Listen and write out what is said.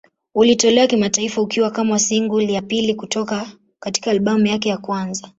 Ulitolewa kimataifa ukiwa kama single ya pili kutoka katika albamu yake ya kwanza.